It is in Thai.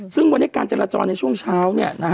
ซึ่งวันนี้การจราจรในช่วงเช้า